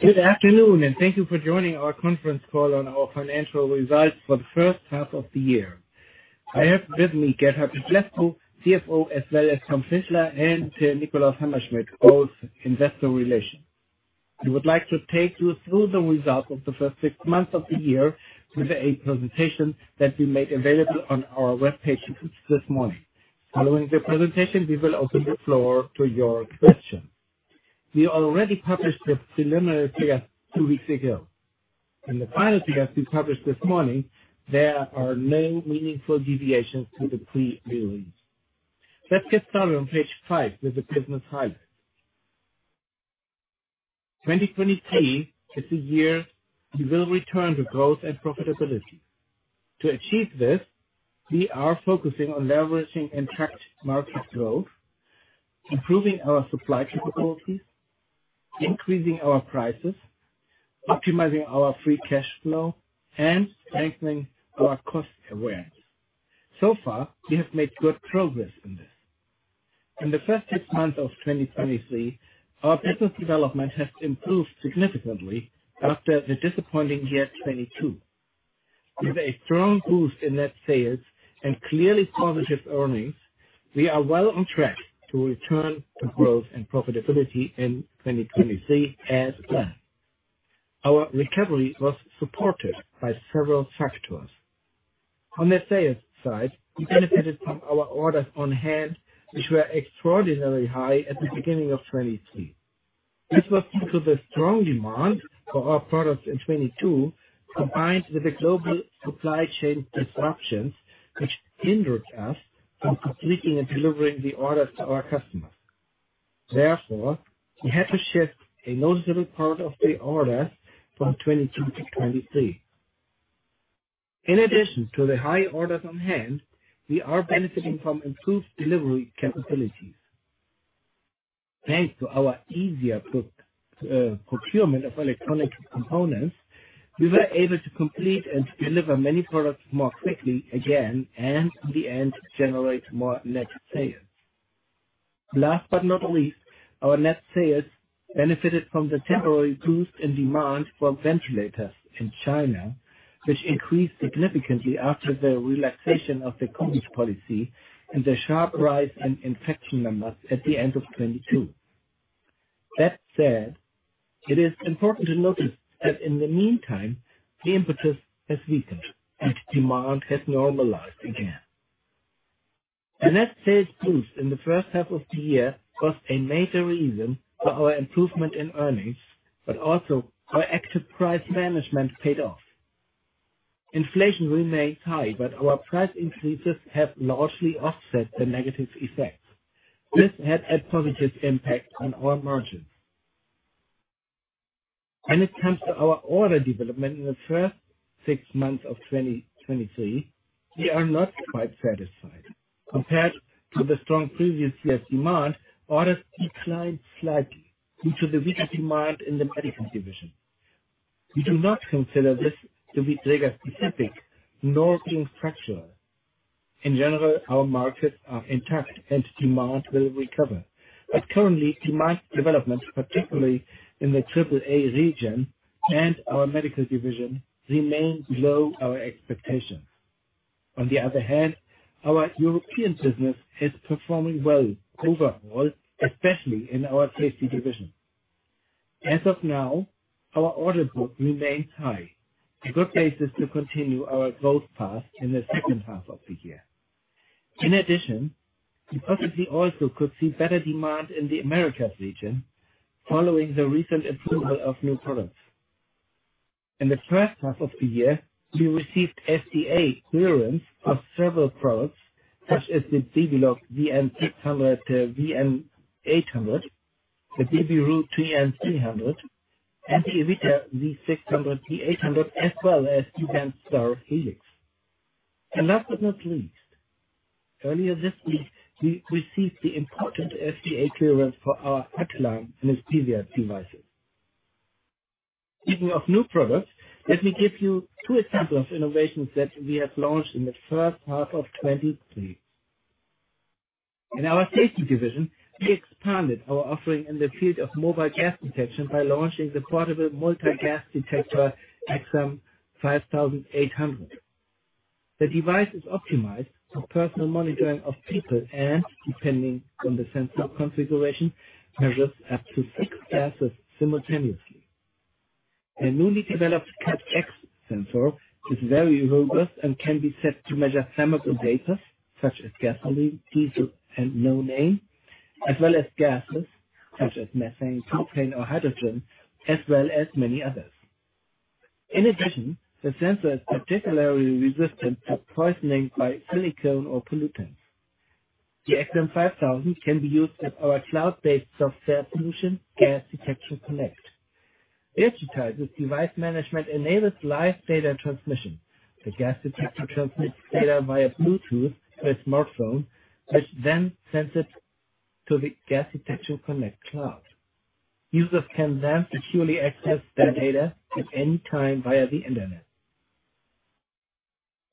Good afternoon. Thank you for joining our Conference Call on our Financial Results for the First Half of theYear. I have with me Gert-Hartwig Lescow, CFO, as well as Tom Fischler and Nikolaus Hammerschmidt, both investor relations. I would like to take you through the results of the first six months of the year with a presentation that we made available on our web page this morning. Following the presentation, we will open the floor to your questions. We already published the preliminary PS two weeks ago. In the final PS we published this morning, there are no meaningful deviations to the pre-release. Let's get started on page five with the business highlights. 2023 is the year we will return to growth and profitability. To achieve this, we are focusing on leveraging intact market growth, improving our supply capabilities, increasing our prices, optimizing our free cash flow, and strengthening our cost awareness. Far, we have made good progress in this. In the first 6 months of 2023, our business development has improved significantly after the disappointing year 2022. With a strong boost in net sales and clearly positive earnings, we are well on track to return to growth and profitability in 2023 as planned. Our recovery was supported by several factors. On the sales side, we benefited from our orders on hand, which were extraordinarily high at the beginning of 2023. This was due to the strong demand for our products in 2022, combined with the global supply chain disruptions, which hindered us from completing and delivering the orders to our customers. Therefore, we had to shift a noticeable part of the orders from 2022-2023. In addition to the high orders on hand, we are benefiting from improved delivery capabilities. Thanks to our easier procurement of electronic components, we were able to complete and deliver many products more quickly again and in the end, generate more net sales. Last but not least, our net sales benefited from the temporary boost in demand for ventilators in China, which increased significantly after the relaxation of the COVID policy and the sharp rise in infection numbers at the end of 2022. That said, it is important to notice that in the meantime, the impetus has weakened and demand has normalized again. The net sales boost in the first half of the year was a major reason for our improvement in earnings, but also our active price management paid off. Inflation remains high, but our price increases have largely offset the negative effects. This had a positive impact on our margins. When it comes to our order development in the first six months of 2023, we are not quite satisfied. Compared to the strong previous year's demand, orders declined slightly due to the weaker demand in the medical division. We do not consider this to be Dräger-specific nor being structural. In general, our markets are intact and demand will recover, but currently, demand development, particularly in the AAA region and our medical division, remains below our expectations. Our European business is performing well overall, especially in our safety division. As of now, our order book remains high, a good basis to continue our growth path in the second half of the year. We possibly also could see better demand in the Americas region following the recent approval of new products. In the first half of the year, we received FDA clearance of several products, such as the Babylog VN600, Babylog VN800, the Savina 300, and the Evita V600, V800, as well as VentStar Helix. Last but not least, earlier this week, we received the important FDA clearance for our Atlan anesthesia devices. Speaking of new products, let me give you two examples of innovations that we have launched in the first half of 23. In our safety division, we expanded our offering in the field of mobile gas detection by launching the portable multi-gas detector, X-am 5800. The device is optimized for personal monitoring of people and, depending on the sensor configuration, measures up to 6 gases simultaneously. A newly developed CatEx sensor is very robust and can be set to measure chemical vapors such as gasoline, diesel, and nonane, as well as gases such as methane, propane, or hydrogen, as well as many others. The sensor is particularly resistant to poisoning by silicone or pollutants. The X-am 5000 can be used with our cloud-based software solution, Gas Detection Connect. Digitized with device management enables live data transmission. The gas detector transmits data via Bluetooth to a smartphone, which sends it to the Gas Detection Connect cloud. Users can securely access their data at any time via the Internet.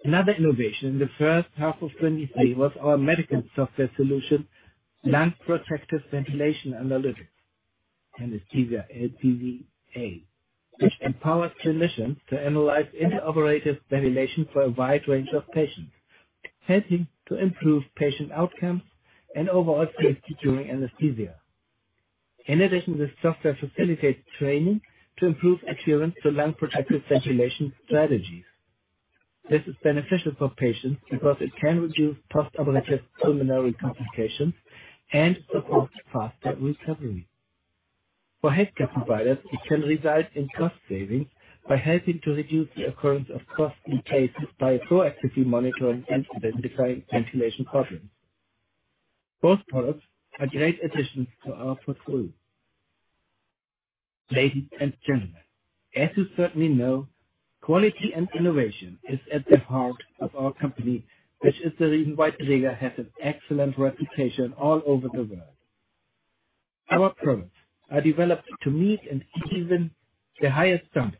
Another innovation in the first half of 2023 was our medical software solution, Lung Protective Ventilation Analytics, anesthesia LPVA, which empowers clinicians to analyze intraoperative ventilation for a wide range of patients, helping to improve patient outcomes and overall safety during anesthesia. In addition, this software facilitates training to improve adherence to lung protective ventilation strategies. This is beneficial for patients because it can reduce post-operative pulmonary complications and support faster recovery. For healthcare providers, it can result in cost savings by helping to reduce the occurrence of costly cases by proactively monitoring and identifying ventilation problems. Both products are great additions to our portfolio. Ladies and gentlemen, as you certainly know, quality and innovation is at the heart of our company, which is the reason why Dräger has an excellent reputation all over the world. Our products are developed to meet and even the highest standards.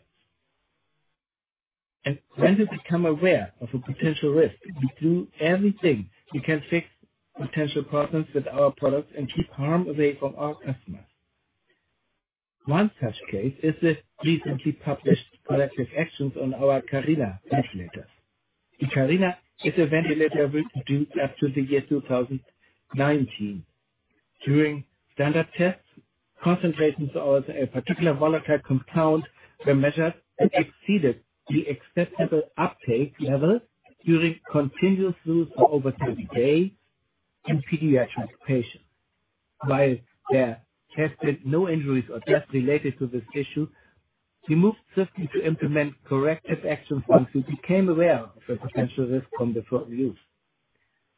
When we become aware of a potential risk, we do everything we can to fix potential problems with our products and keep harm away from our customers. One such case is the recently published corrective actions on our Carina ventilator. The Carina is a ventilator produced up to the year 2019. During standard tests, concentrations of a particular volatile compound were measured and exceeded the acceptable uptake level during continuous use of over 30 days in pediatric patients. While there has been no injuries or deaths related to this issue, we moved quickly to implement corrective actions once we became aware of the potential risk from the front use.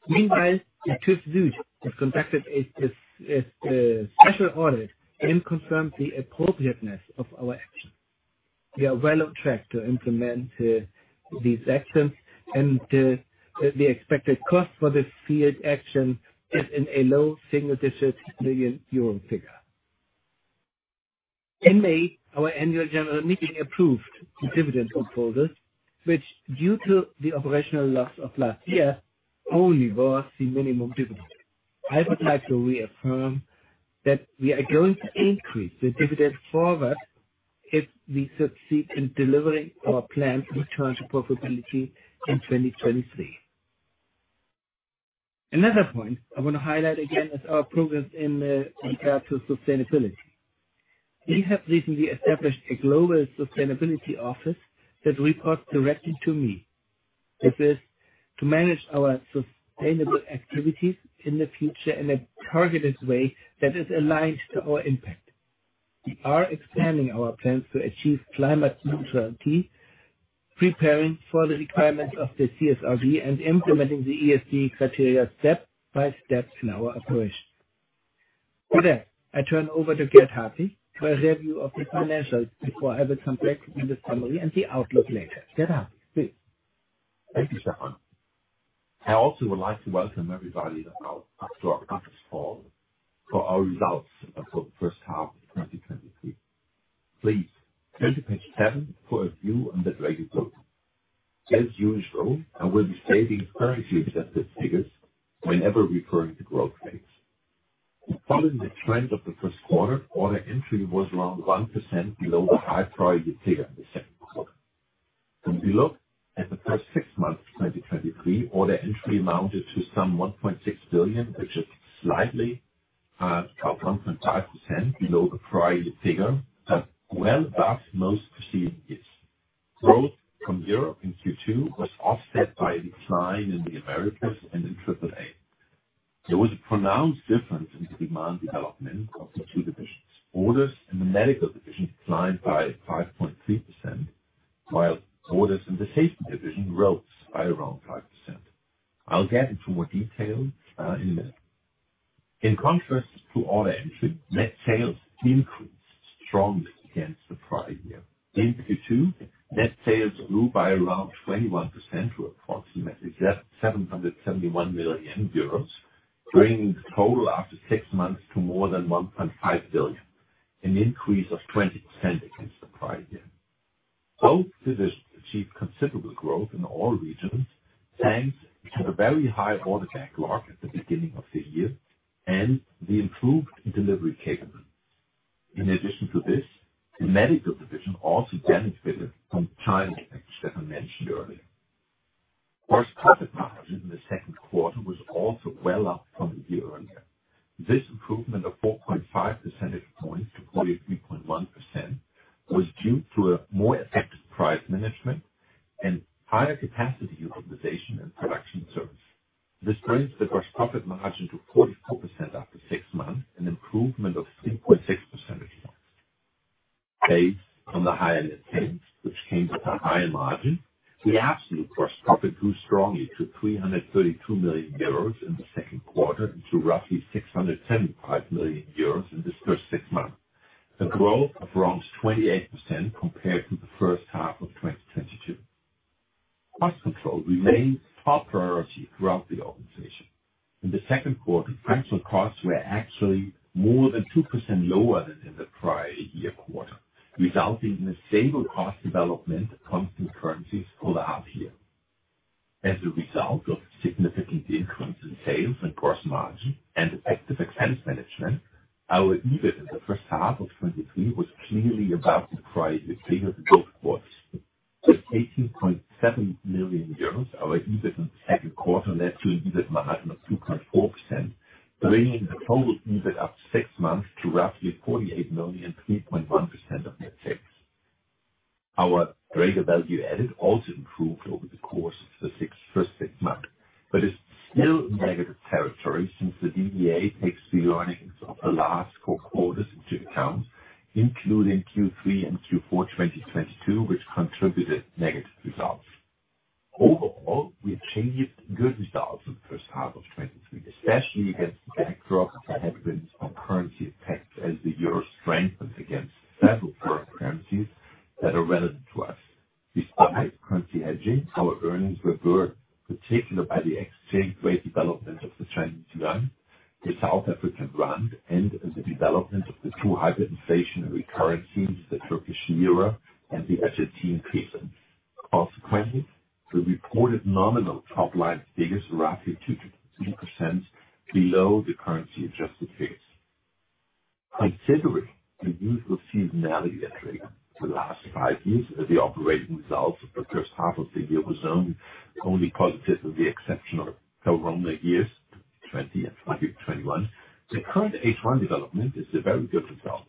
Meanwhile, the TÜV SÜD has conducted a special audit and confirmed the appropriateness of our action. We are well on track to implement these actions, and the expected cost for this field action is in a low single-digit million euro figure. In May, our annual general meeting approved the dividend proposal, which, due to the operational loss of last year, only was the minimum dividend. I would like to reaffirm that we are going to increase the dividend forward if we succeed in delivering our planned return to profitability in 2023. Another point I want to highlight again is our progress in regards to sustainability. We have recently established a global sustainability office that reports directly to me. This is to manage our sustainable activities in the future in a targeted way that is aligned to our impact. We are expanding our plans to achieve climate neutrality, preparing for the requirements of the CSRD, and implementing the ESG criteria step-by-step in our operations. With that, I turn over to Gert-Hartwig for a review of the financials before I will come back with the summary and the outlook later. Gert-Hartwig, please. Thank you, Stefan. I also would like to welcome everybody to our, to our conference call for our results for the first half of 2023. Please turn to page 7 for a view on the Dräger Group. As usual, I will be stating currently accepted figures whenever referring to growth rates. Following the trend of the first quarter, order entry was around 1% below the high priority figure in the second quarter. When we look at the first 6 months of 2023, order entry amounted to some 1.6 billion, which is slightly down 0.5% below the prior figure, but well above most preceding years. Growth from Europe in Q2 was offset by a decline in the Americas and in AAA region. There was a pronounced difference in the demand development of the 2 divisions. Orders in the medical division declined by 5.3%, while orders in the safety division rose by around 5%. I'll get into more detail in a minute. In contrast to order entry, net sales increased strongly against the prior year. In Q2, net sales grew by around 21% to approximately 771 million euros, bringing the total after six months to more than 1.5 billion, an increase of 20% against the prior year. Both divisions achieved considerable growth in all regions, thanks to the very high order backlog at the beginning of the year and the improved delivery capability. In addition to this, the medical division also benefited from timing, which Stefan mentioned earlier. Gross profit margin in the second quarter was also well up from the year earlier. This improvement of 4.5 percentage points to 43.1% was due to a more effective price management and higher capacity utilization and production service. This brings the gross profit margin to 44% after six months, an improvement of 3.6 percentage points. Based on the higher net sales, which came with a higher margin, the absolute gross profit grew strongly to 332 million euros in the second quarter and to roughly 675 million euros in this first six months, a growth of around 28% compared to the first half of 2022. Cost control remains our priority throughout the organization. In the second quarter, financial costs were actually more than 2% lower than in the prior year quarter, resulting in a stable cost development, constant currencies for the half year. As a result of significant increase in sales and gross margin and effective expense management, our EBIT in the first half of 2023 was clearly above the prior year period in both quarters. With 18.7 million euros, our EBIT in the second quarter led to an EBIT margin of 2.4%, bringing the total EBIT up six months to roughly 48 million, 3.1% of net sales. Our Dräger Value Added also improved over the course of the first six months, but is still negative territory since the DVA takes the learnings of the last four quarters into account, including Q3 and Q4, 2022, which contributed negative results. We achieved good results in the first half of 2023, especially against the backdrop of headwinds on currency effects as the Euro strengthens against several foreign currencies that are relevant to us. Despite currency hedging, our earnings were burned, particularly by the exchange rate development of the Chinese yuan, the South African rand, and the development of the two hyperinflationary currencies, the Turkish lira and the Egyptian pound. The reported nominal top line figures roughly 2%-3% below the currency-adjusted pace. Considering the usual seasonality attribute, the last 5 years of the operating results of the first half of the year was only positive with the exception of Corona years, 2020 and 2021. The current H1 development is a very good result.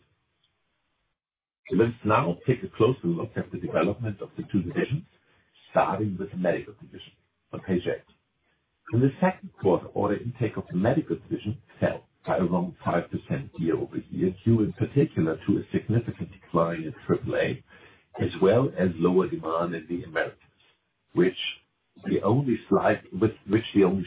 Let's now take a closer look at the development of the 2 divisions, starting with the medical division on page 8. In the second quarter, order intake of the medical division fell by around 5% year-over-year, due in particular to a significant decline in AAA, as well as lower demand in the Americas, with which the only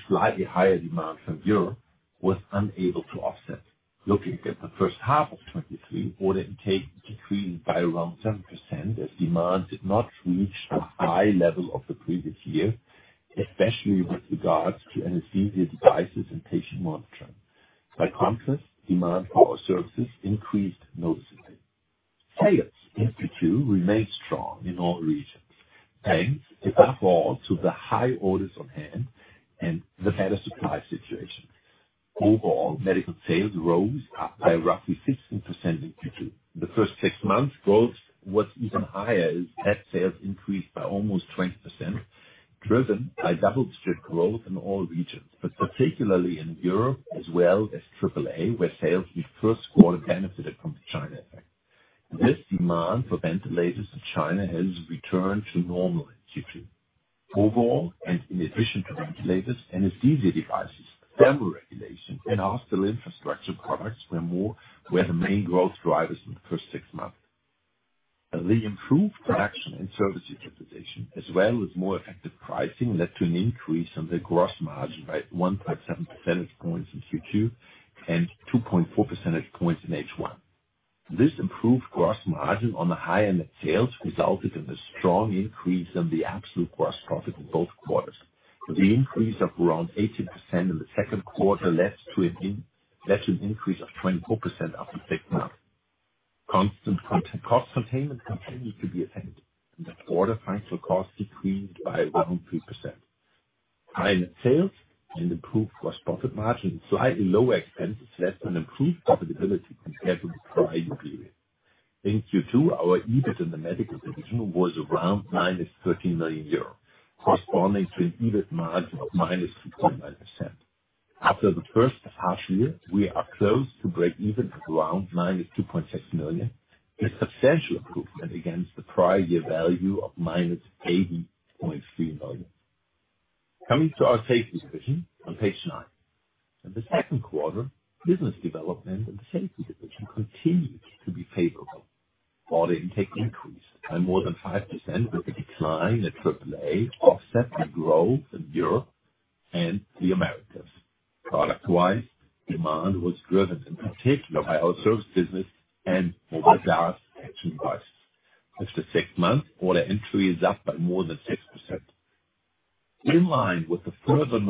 slightly higher demand from Europe was unable to offset. Looking at the first half of 2023, order intake decreased by around 10%, as demand did not reach the high level of the previous year, especially with regards to anesthesia devices and patient monitoring. By contrast, demand for our services increased noticeably. Sales in Q2 remained strong in all regions, thanks, above all, to the high orders on hand and the better supply situation. Overall, medical sales rose up by roughly 16% in Q2. The first six months growth was even higher, as net sales increased by almost 20%, driven by double-digit growth in all regions, but particularly in Europe as well as AAA, where sales in the first quarter benefited from the China effect. This demand for ventilators in China has returned to normal in Q2. Overall, in addition to ventilators, anesthesia devices, thermal regulation and hospital infrastructure products were the main growth drivers in the first six months. The improved production and service utilization, as well as more effective pricing, led to an increase in the gross margin by 1.7 percentage points in Q2 and 2.4 percentage points in H1. This improved gross margin on the higher net sales resulted in a strong increase in the absolute gross profit in both quarters. The increase of around 18% in the second quarter led to an increase of 24% after six months. Constant cost containment continued to be effective. The quarter financial cost decreased by around 3%. Higher net sales and improved gross profit margin, slightly lower expenses, left an improved profitability compared to the prior year period. In Q2, our EBIT in the medical division was around -13 million euros, corresponding to an EBIT margin of -2.9%. After the first half year, we are close to breakeven at around -2.6 million, a substantial improvement against the prior year value of -80.3 million. Coming to our safety division on page 9. In the second quarter, business development in the safety division continued to be favorable. Order intake increased by more than 5%, with a decline in AAA, offset by growth in Europe and the Americas. Product wise, demand was driven in particular by our service business and anesthesia devices. After 6 months, order entry is up by more than 6%. In line with the further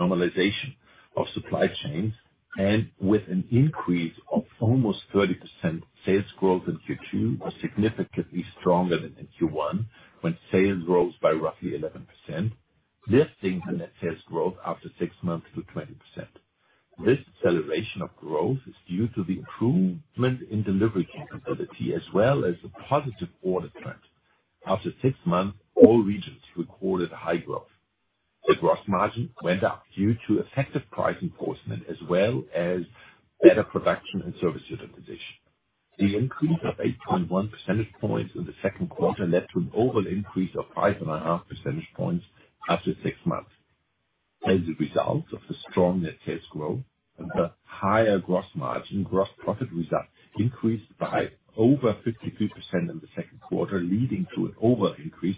normalization of supply chains and with an increase of almost 30%, sales growth in Q2 was significantly stronger than in Q1, when sales rose by roughly 11%, lifting the net sales growth after 6 months to 20%. This celebration of growth is due to the improvement in delivery capability, as well as a positive order trend. After 6 months, all regions recorded high growth. The gross margin went up due to effective price enforcement, as well as better production and service utilization. The increase of 8.1 percentage points in the second quarter led to an overall increase of 5.5 percentage points after 6 months. As a result of the strong net sales growth and the higher gross margin, gross profit results increased by over 52% in the second quarter, leading to an overall increase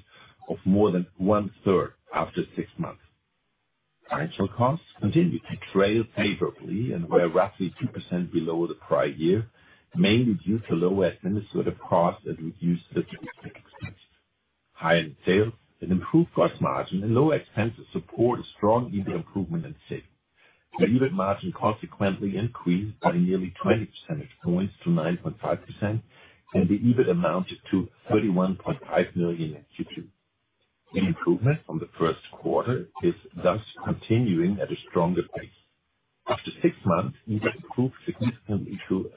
of more than 1/3 after 6 months. Financial costs continued to trail favorably and were roughly 2% below the prior year, mainly due to lower administrative costs and reduced interest expense. Higher sales and improved gross margin and lower expenses support a strong EBIT improvement in sales. The EBIT margin consequently increased by nearly 20 percentage points to 9.5%, and the EBIT amounted to 31.5 million in Q2. The improvement from the first quarter is thus continuing at a stronger pace. After six months, EBIT improved significantly to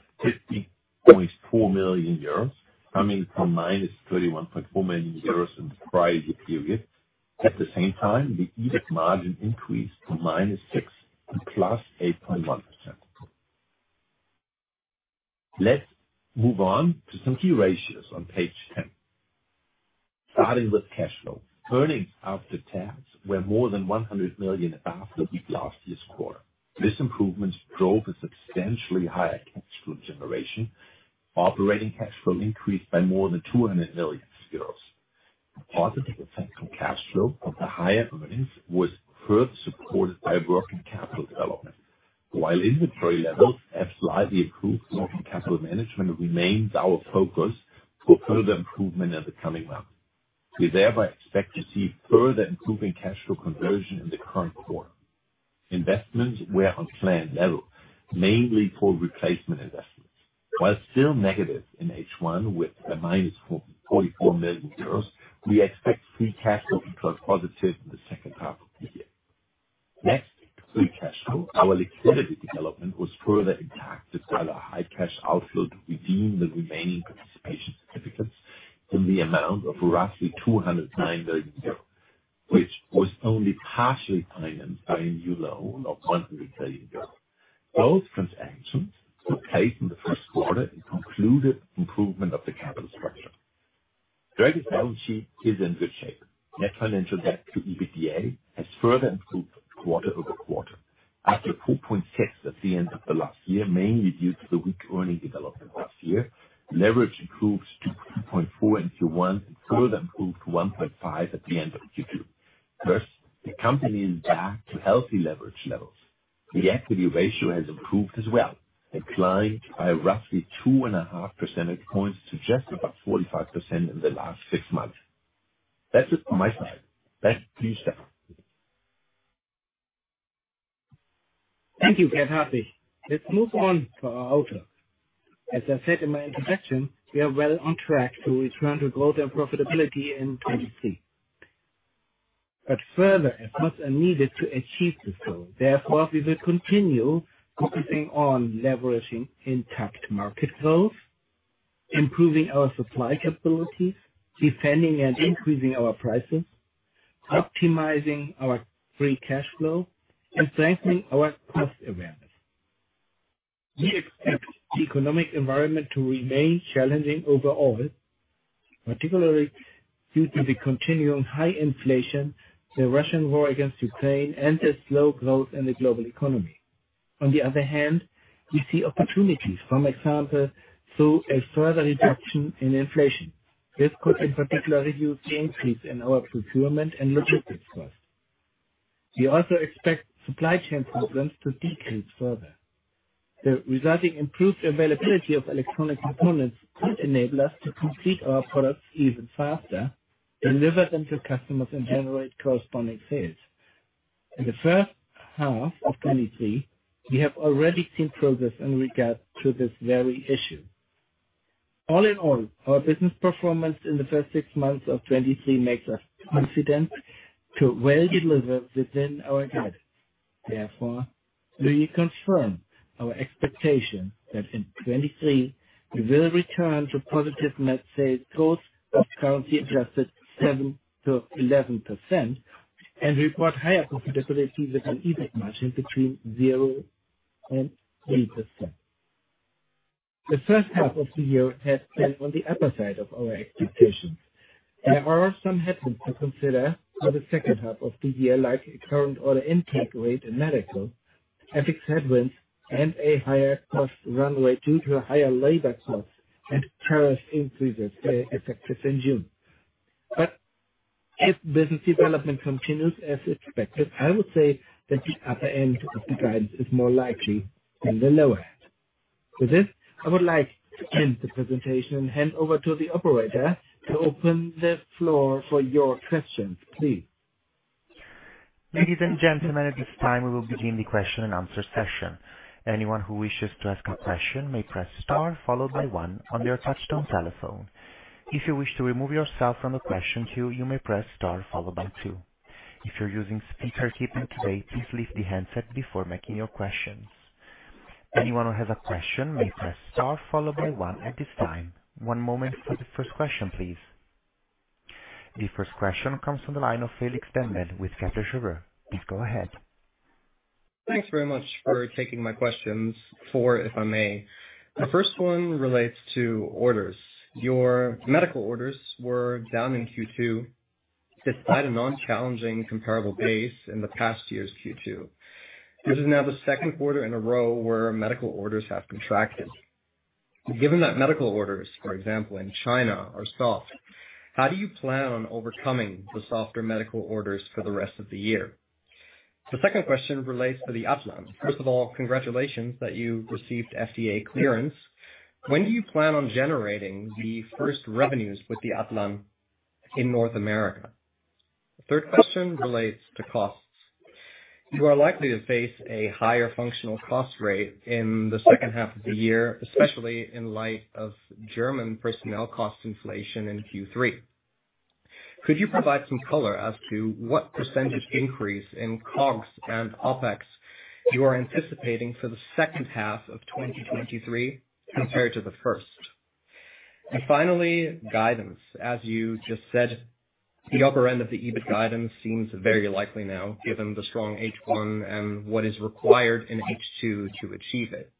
50.4 million euros, coming from -31.4 million euros in the prior year period. At the same time, the EBIT margin increased from -6% to +8.1%. Let's move on to some key ratios on page 10. Starting with cash flow. Earnings after tax were more than 100 million after the weak last year's quarter. This improvement drove a substantially higher cash flow generation. Operating cash flow increased by more than 200 million euros. Positive effect on cash flow from the higher earnings was further supported by working capital development. While inventory levels have slightly improved, working capital management remains our focus for further improvement in the coming months. We therefore expect to see further improving cash flow conversion in the current quarter. Investments were on planned level, mainly for replacement investments. While still negative in H1 with a -44 million euros, we expect free cash flow to be plus positive in the second half of the year. Next, free cash flow. Our liquidity development was further impacted by the high cash outflow to redeem the remaining participation certificates in the amount of roughly 209 million euros, which was only partially financed by a new loan of 100 million euros. Both transactions took place in the first quarter and concluded improvement of the capital structure. Dräger's balance sheet is in good shape. Net financial debt to EBITDA has further improved quarter-over-quarter. After 4.6 at the end of the last year, mainly due to the weak earning development last year, leverage improved to 2.4x in Q1 and further improved to 1.5x at the end of Q2. Thus, the company is back to healthy leverage levels. The equity ratio has improved as well and climbed by roughly two and a half percentage points to just about 45% in the last six months. That's it from my side. Back to you, Stefan. Thank you, Gert-Hartwig. Let's move on to our outlook. As I said in my introduction, we are well on track to return to growth and profitability in 2023. Further efforts are needed to achieve this goal. Therefore, we will continue focusing on leveraging intact market growth, improving our supply capabilities, defending and increasing our prices, optimizing our free cash flow, and strengthening our cost awareness. We expect the economic environment to remain challenging overall, particularly due to the continuing high inflation, the Russian war against Ukraine, and the slow growth in the global economy. On the other hand, we see opportunities, for example, through a further reduction in inflation. This could, in particular, reduce the increase in our procurement and logistics costs. We also expect supply chain problems to decrease further. The resulting improved availability of electronic components could enable us to complete our products even faster, deliver them to customers, and generate corresponding sales. In the first half of 2023, we have already seen progress in regard to this very issue. Our business performance in the first 6 months of 2023 makes us confident to deliver within our guidance. We confirm our expectation that in 2023, we will return to positive net sales growth of currency adjusted 7%-11% and report higher profitability with an EBIT margin between 0% and 3%. The first half of the year has been on the upper side of our expectations. There are some headwinds to consider for the second half of the year, like current order intake rate in medical, FX headwinds, and a higher cost runway due to higher labor costs and tariff increases, effective in June. If business development continues as expected, I would say that the upper end of the guidance is more likely than the lower end. With this, I would like to end the presentation and hand over to the operator to open the floor for your questions, please. Ladies and gentlemen, at this time, we will begin the question and answer session. Anyone who wishes to ask a question may press star followed by one on your touchtone telephone. If you wish to remove yourself from the question queue, you may press star followed by two. If you're using speakerphone today, please leave the handset before making your questions. Anyone who has a question may press star followed by one at this time. One moment for the first question, please. The first question comes from the line of Felix Dennl with Kepler Cheuvreux. Please go ahead. Thanks very much for taking my questions. Four, if I may. The first one relates to orders. Your medical orders were down in Q2, despite a non-challenging comparable base in the past year's Q2. This is now the second quarter in a row where medical orders have contracted. Given that medical orders, for example, in China are soft, how do you plan on overcoming the softer medical orders for the rest of the year? The second question relates to the Atlan. First of all, congratulations on receiving FDA clearance. When do you plan on generating the first revenues with the Atlan in North America? The third question relates to costs. You are likely to face a higher functional cost rate in the second half of the year, especially in light of German personnel cost inflation in Q3. Could you provide some color as to what percent increase in COGS and OpEx you are anticipating for the second half of 2023 compared to the first? Finally, guidance. As you just said, the upper end of the EBIT guidance seems very likely now, given the strong H1 and what is required in H2 to achieve it.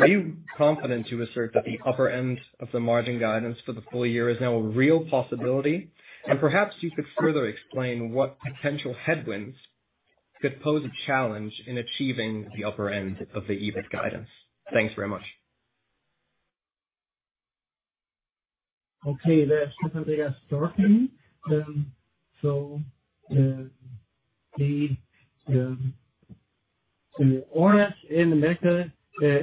Are you confident to assert that the upper end of the margin guidance for the full year is now a real possibility? Perhaps you could further explain what potential headwinds could pose a challenge in achieving the upper end of the EBIT guidance. Thanks very much. Okay, that's definitely a start. The orders in the medical,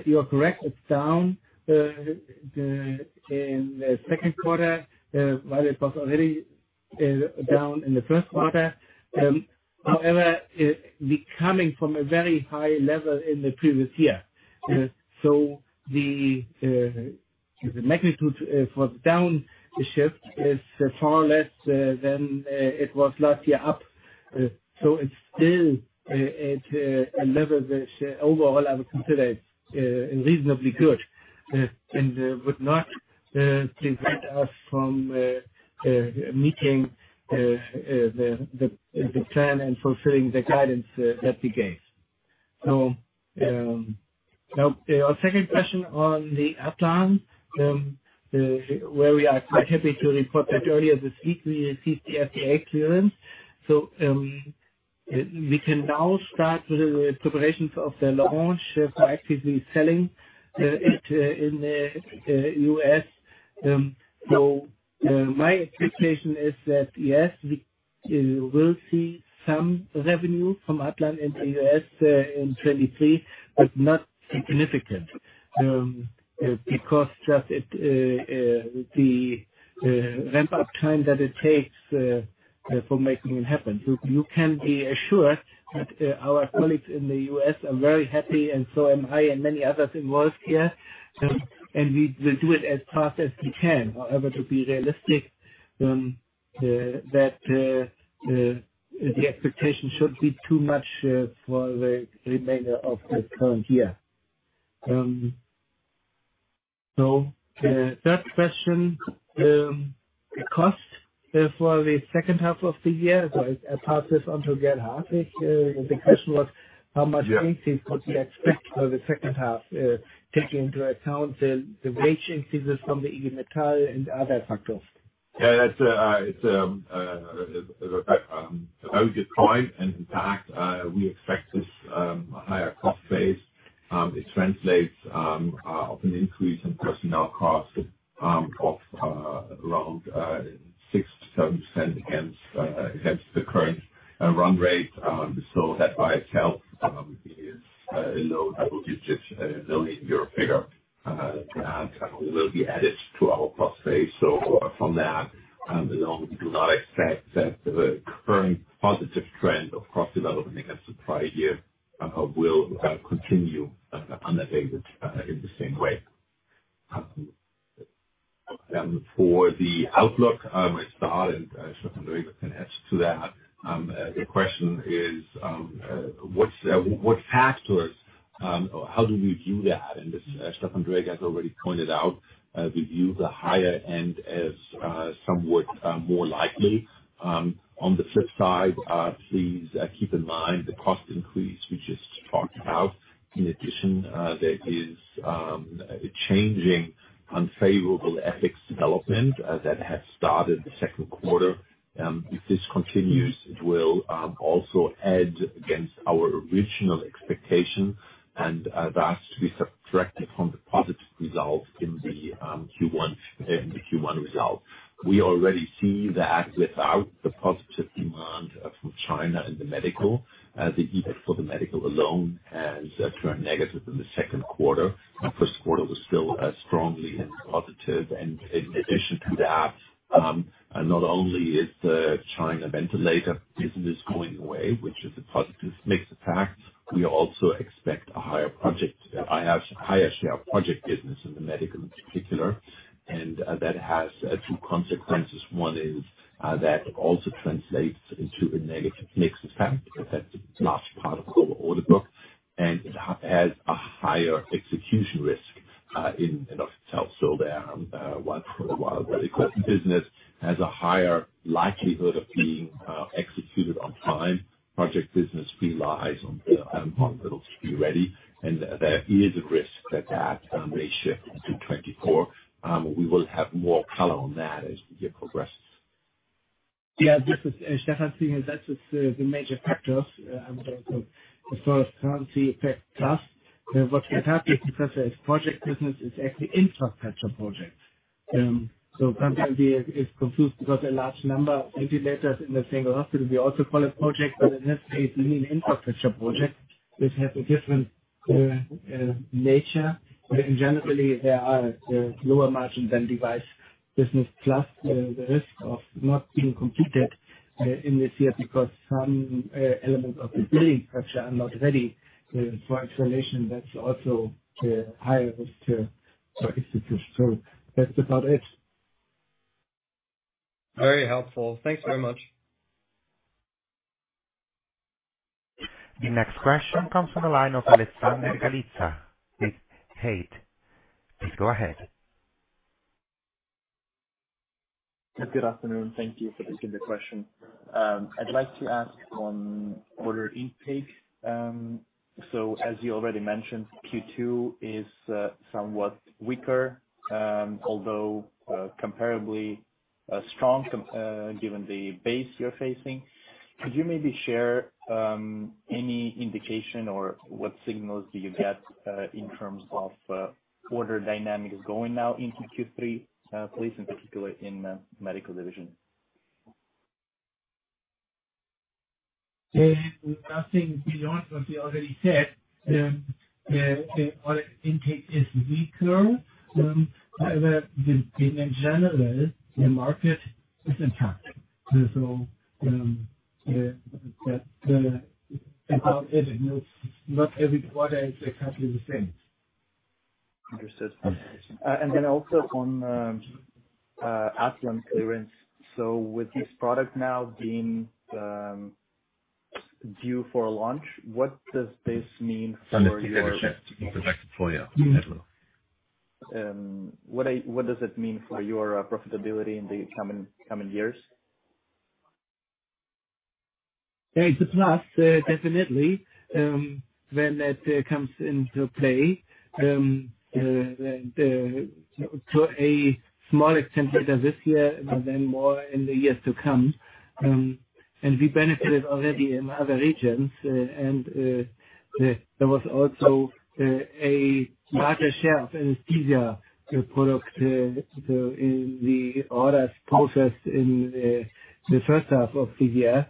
you are correct, it's down in the second quarter, while it was already down in the first quarter. However, we coming from a very high level in the previous year. The magnitude for the downshift is far less than it was last year up. It's still at a level that overall I would consider reasonably good and would not prevent us from meeting the plan and fulfilling the guidance that we gave. Now, the second question on the Atlan, where we are quite happy to report that earlier this week, we received the FDA clearance. We can now start with the preparations of the launch by actively selling it in the US. My expectation is that, yes, we will see some revenue from Atlan in the US in 2023, but not significant, because just it the ramp-up time that it takes for making it happen. You can be assured that our colleagues in the US are very happy, and so am I and many others involved here, and we will do it as fast as we can. However, to be realistic, that the expectation should be too much for the remainder of the current year. Third question, the cost for the second half of the year, I pass this on to Gert-Hartwig. The question was, how much increase could we expect for the second half, taking into account the wage increases from the IG Metall and other factors? Yeah, it's a very good point. In fact, we expect this higher cost base, it translates of an increase in personnel costs of around 6%-7% against the current run rate. That by itself is a low, I will give just a EUR 1 million figure, which will be added to our cost base. From that, we do not expect that the current positive trend of cost development against the prior year will continue, undiluted, in the same way. For the outlook, I start. Stefan Dräger can add to that. The question is what factors or how do we view that? As Stefan Dräger has already pointed out, we view the higher end as somewhat more likely. On the flip side, please keep in mind the cost increase we just talked about. There is a changing unfavorable FX development that has started the second quarter. If this continues, it will also add against our original expectation, and that to be subtracted from the positive results in the Q1, in the Q1 results. We already see that without the positive demand from China in the medical, the EBIT for the medical alone has turned negative in the second quarter. The first quarter was still strongly and positive. In addition to that, not only is the China ventilator business going away, which is a positive mixed effect, we also expect a higher project, higher share of project business in the medical in particular. That has 2 consequences. One is that also translates into a negative mixed effect, because that's a large part of the order book, and it has a higher execution risk in and of itself. The once in a while, the equipment business has a higher likelihood of being executed on time. Project business relies on the hospitals to be ready, and there is a risk that that may shift into 2024. We will have more color on that as we progress. This is Stefan Dräger. That is the major factors. The first currency effect, plus what we have with professor is project business is actually infrastructure projects. Sometimes we is confused because a large number of ventilators in a single hospital, we also call it project, but in this case, we mean infrastructure project, which has a different nature. In generally, there are lower margin than device business, plus the risk of not being completed in this year because some elements of the building pressure are not ready for installation. That's also a high risk to our institution. That's about it. Very helpful. Thanks very much. The next question comes from the line of Alexander Galitsa with Hauck & Aufhäuser. Please go ahead. Good afternoon. Thank you for taking the question. I'd like to ask on order intake. As you already mentioned, Q2 is somewhat weaker, although comparably strong, given the base you're facing. Could you maybe share any indication or what signals do you get in terms of order dynamics going now into Q3, please, in particular in the medical division? Nothing beyond what we already said. Our intake is weaker. However, in general, the market is intact. That about it, not every quarter is exactly the same. Understood. Also on Atlan clearance. With this product now being due for a launch, what does it mean for your profitability in the coming years? It's a plus, definitely, when that comes into play, to a small extent this year, but then more in the years to come. We benefit already in other regions, and there was also a larger share of anesthesia product, so in the orders processed in the first half of the year,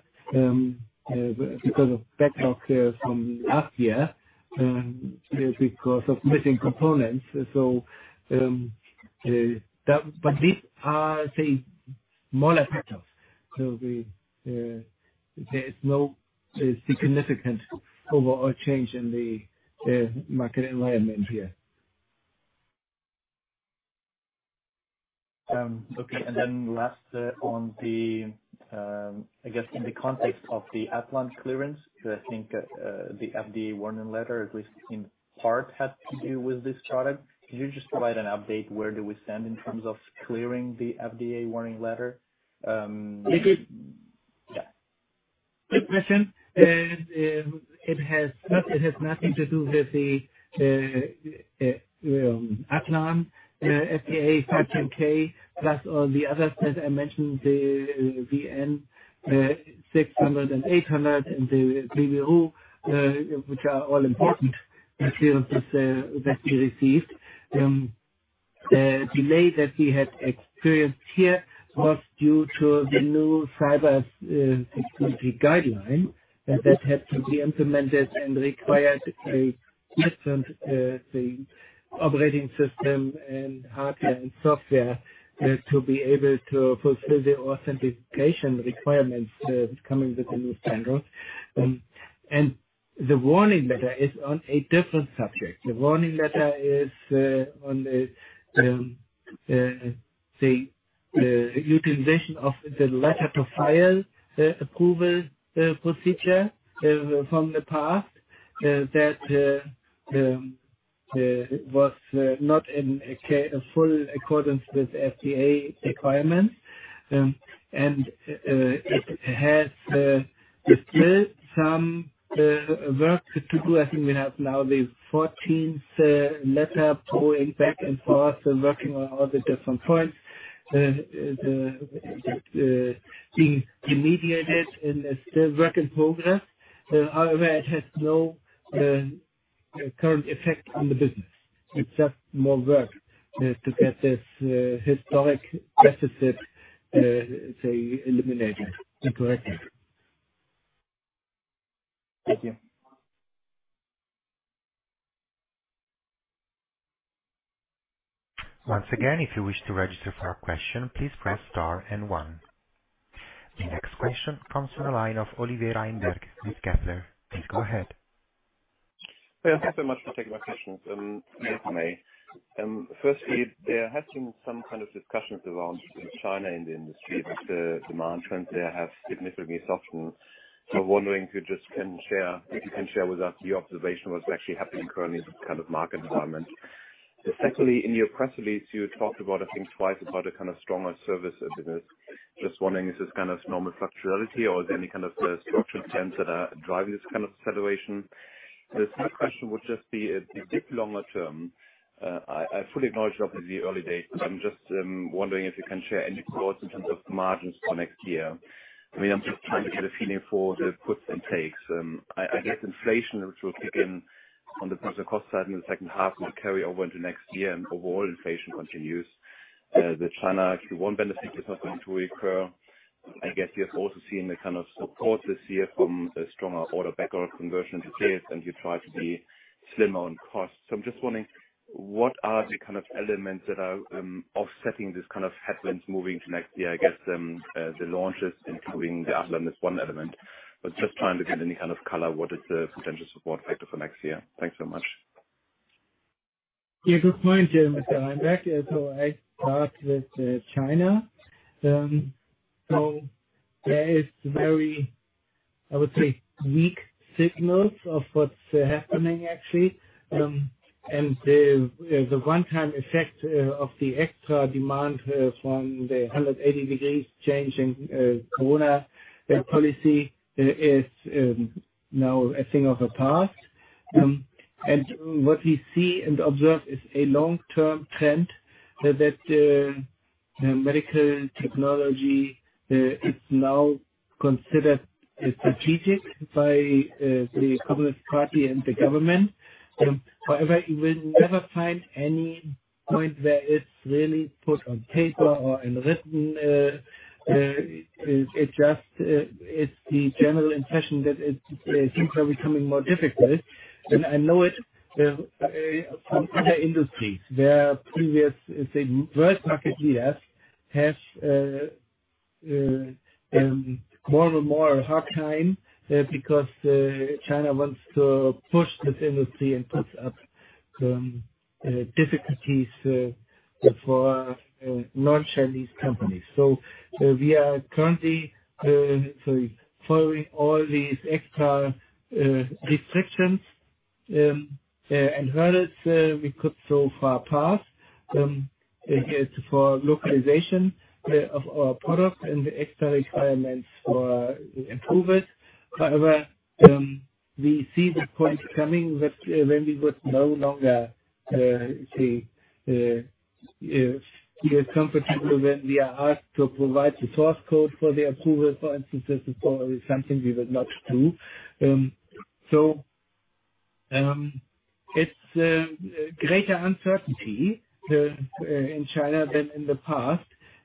because of backlog from last year, because of missing components. These are, say, minor factors. We, there's no significant overall change in the market environment here. Okay. Last, on the, I guess in the context of the Atlan clearance, because I think, the FDA warning letter, at least in part, had to do with this product. Could you just provide an update, where do we stand in terms of clearing the FDA warning letter? Good question. It has nothing to do with the Atlan FDA 510(k), plus all the others that I mentioned, the VN 600 and 800, and the Babylog, which are all important to clear this that we received. The delay that we had experienced here was due to the new cyber security guideline that had to be implemented and required a different operating system, hardware, and software to be able to fulfill the authentication requirements coming with the new standards. The warning letter is on a different subject. The warning letter is on the utilization of the Letter to File approval procedure from the past that was not in full accordance with FDA requirements. It still has some work to do. I think we now have the fourteenth letter going back and forth and working on all the different points being remediated, and it's still work in progress. However, it has no current effect on the business. It's just more work to get this historic deficit, say, eliminated and corrected. Thank you. Once again, if you wish to register for a question, please press star 1. The next question comes from the line of Oliver Reinberg with Kepler Cheuvreux. Please go ahead. Thank you so much for taking my questions, if I may. Firstly, there have been some discussions around China in the industry that the demand trends there have significantly softened. Wondering if you just can share if you can share with us your observation, what's actually happening currently in this market environment? Secondly, in your press release, you talked twice about a stronger services business. Just wondering if this is normal fluctuating, or if there any structural trends that are driving this situation? The second question would just be, if you think longer term, I fully acknowledge obviously the early days, but I'm just wondering if you can share any thoughts in terms of margins for next year. I mean, I'm just trying to get a feeling for the puts and takes. Inflation, which will kick in on the cost side in the second half, will carry over into next year, and overall inflation continues. The China Q1 benefit is not going to recur. I guess we have also seen a support this year from a stronger order backlog conversion to sales, and you try to be slimmer on costs. I'm just wondering, what are the elements that are offsetting this headwinds moving to next year? The launches including the Atlan is one element, but just trying to get any color, what is the potential support factor for next year? Thanks so much. good point, Mr. Reinberg. I start with China. There is very, I would say, weak signals of what's happening, actually. The one-time effect of the extra demand from the 180-degree change in corona policy is now a thing of the past. What we see and observe is a long-term trend that medical technology is now considered strategic by the Communist Party and the government. However, you will never find any point where it's really put on paper or in written. It just, it's the general impression that it seems are becoming more difficult. I know it from other industries, where previously, say, world market years have had a hard time, because China wants to push this industry and puts up difficulties for non-Chinese companies. We are currently, sorry, following all these extra restrictions and hurdles we could so far pass, I guess, for the localization of our products and the extra requirements for approval. However, we see the point coming that when we would no longer, say, feel comfortable when we are asked to provide the source code for the approval, for instance, this is something we will not do. It's a greater uncertainty in China than in the past,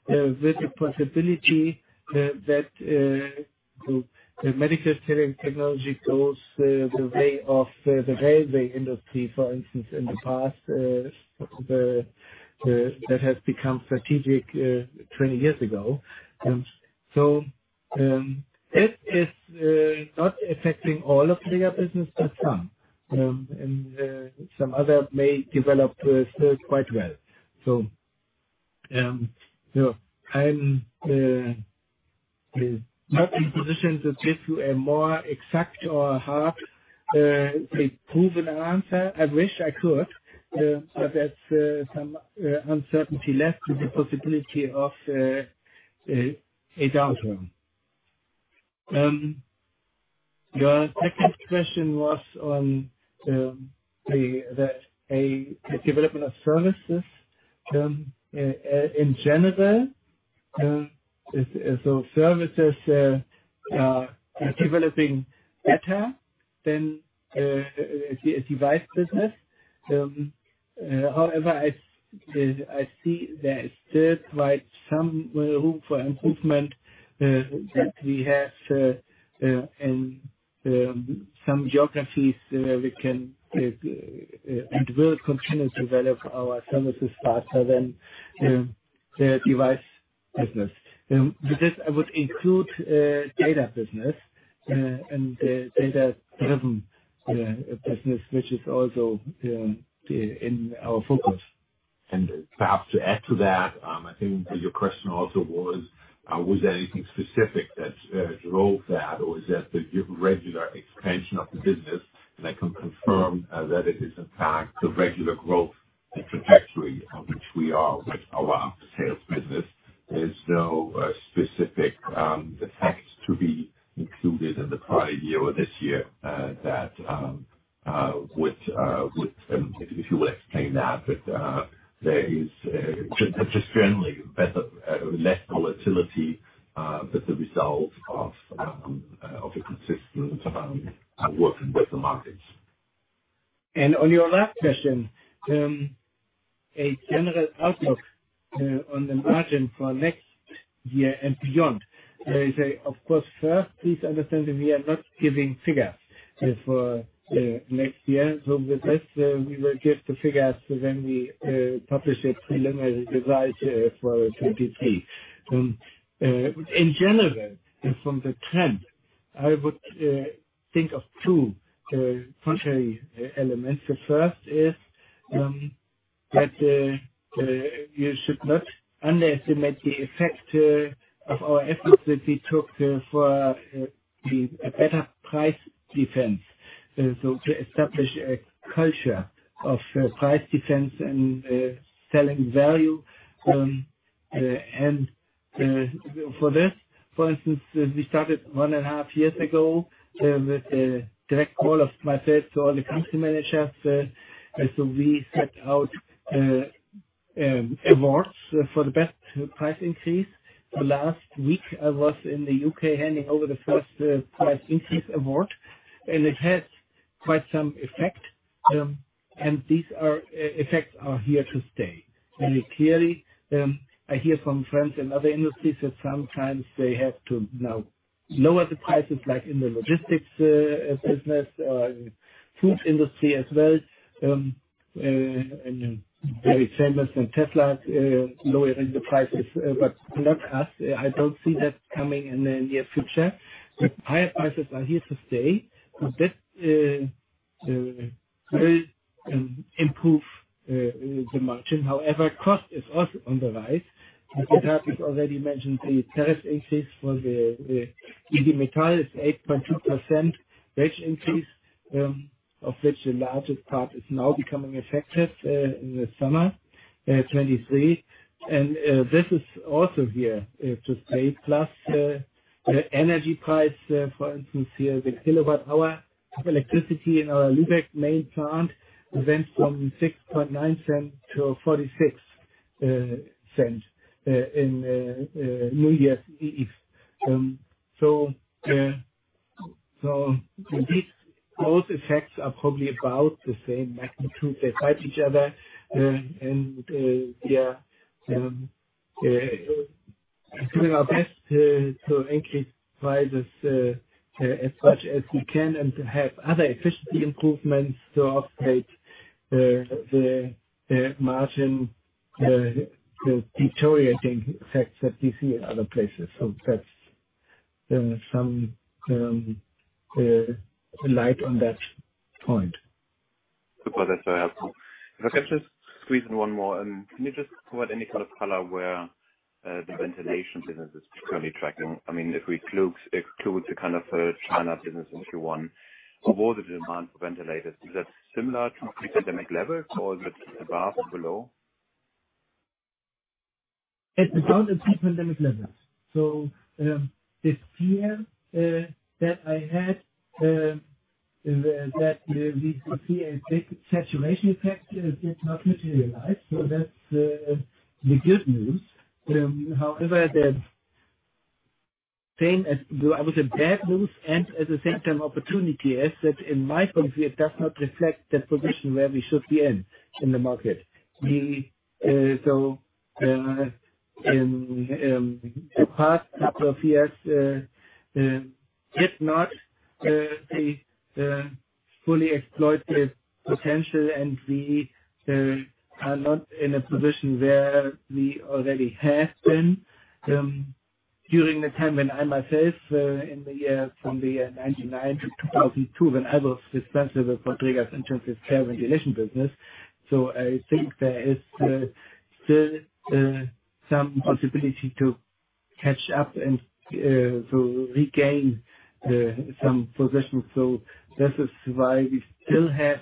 with the possibility that the medical technology goes the way of the railway industry, for instance, in the past, which has become strategic 20 years ago. It is not affecting all of the business, but some. And some other may develop still quite well. I'm not in a position to give you a more exact or hard-proven answer. I wish I could, but that's some uncertainty left with the possibility of a downturn. Your second question was on the development of services in general. Services are developing better than a device business. However, I see there is still quite some room for improvement that we have in some geographies. We can and will continue to develop our services faster than the device business. With this, I would include data business and data-driven business, which is also in our focus. Perhaps to add to that, I think your question also was, was there anything specific that drove that, or is that the regular expansion of the business? I can confirm that it is in fact the regular growth and trajectory on which we are with our sales business. There's no specific effects to be included in the prior year or this year that which if you would explain that, there is just generally better, less volatility with the result of consistent working with the markets. On your last question, a general outlook on the margin for next year and beyond. I say, of course, first, please understand that we are not giving figures for next year. With this, we will give the figures when we publish a preliminary result for 2023. In general, from the trend, I would think of 2 contrary elements. The first is that you should not underestimate the effect of our efforts that we took for the better price defense. To establish a culture of price defense and selling value. For this, for instance, we started 1.5 years ago with a direct call from me to all the country managers. We set out awards for the best price increase. Last week, I was in the U.K., handing over the first price increase award, and it had quite an effect. These effects are here to stay. Clearly, I hear from friends in other industries that sometimes they have to now lower the prices, like in the logistics business, food industry as well, and very famous in Tesla, lowering the prices, but not us. I don't see that coming in the near future. Higher prices are here to stay. That will improve the margin. However, cost is also on the rise. As you have already mentioned, the tariff increase for the IG Metall is 8.2% wage increase, of which the largest part is now becoming effective in the summer 2023. This is also here to stay, plus the energy price. For instance, here, the kilowatt hour of electricity in our Lübeck main plant went from 0.069 to 0.46 in New Year's Eve. Both effects are probably about the same magnitude. They fight each other, doing our best to increase prices as much as we can and to have other efficiency improvements to increase the margin, the deteriorating effects that we see in other places. That's some light on that point. Super. That's very helpful. If I can just squeeze in one more, can you just provide any color where the ventilation business is currently tracking? If we exclude the kind of China business, if you want, what was the demand for ventilators? Is that similar to the pre-pandemic level, or is it above or below? It's around the pre-pandemic levels. The fear that I had that we would see a big saturation effect, it did not materialize. That's the good news. However, the same as I would say, bad news and at the same time, opportunity, is that in my point of view, it does not reflect the position where we should be in, in the market. We the past couple of years did not fully exploit the potential, and we are not in a position where we already were during the time when I, myself, in the year from the year 1999 to 2002, when I was responsible for Dräger's intensive care ventilation business. I think there is still some possibility to catch up and to regain some position. This is why we still have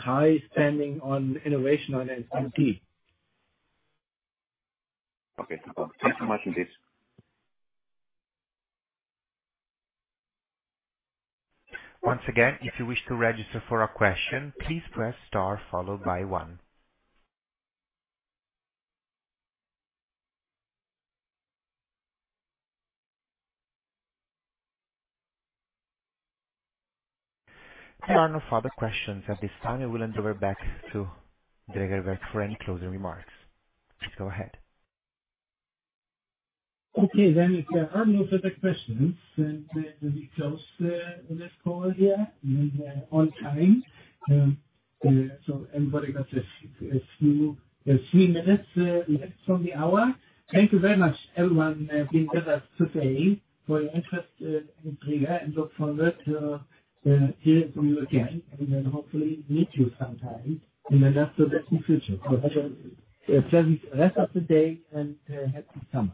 high spending on innovation on NVP. Okay, super. Thanks so much for this. Once again, if you wish to register for a question, please press star followed by one. There are no further questions at this time. I will hand over back to Gregor for any closing remarks. Please go ahead. Okay, then, if there are no further questions, then we close this call here on time. Everybody got a few minutes left from the hour. Thank you very much, everyone, being with us today for your interest in Dräger, and look forward to hearing from you again, and then hopefully meet you sometime in the not so distant future. Have a pleasant rest of the day and happy summer!